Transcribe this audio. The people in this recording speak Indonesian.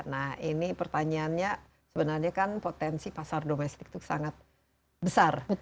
nah ini pertanyaannya sebenarnya kan potensi pasar domestik itu sangat besar